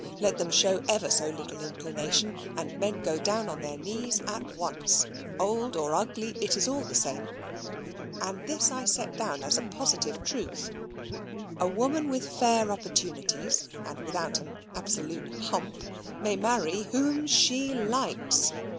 Let them show ever so little inclination, and men go down on their knees at once: old or ugly, it is all the same. And this I set down as a positive truth. A woman with fair opportunities, and without an absolute hump, may marry WHOM SHE LIKES.